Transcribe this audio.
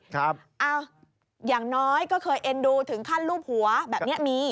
อ้าวอย่างน้อยก็เคยเอ็นดูถึงขั้นรูปหัวแบบนี้มี